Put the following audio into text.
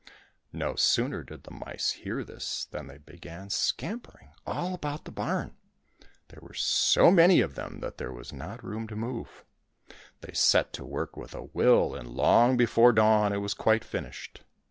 " No sooner did the mice hear this than they began scampering all about the barn ! There were so many 272 IVAN GOLIK AND THE SERPENTS of them that there was not room to move. They set to work with a will, and long before dawn it was quite finished.